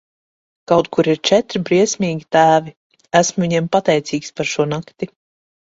Kaut kur ir četri briesmīgi tēvi, esmu viņiem pateicīgs par šo nakti.